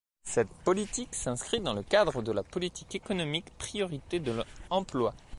Cette politique s’inscrit dans le cadre de la Politique économique Priorité emploi.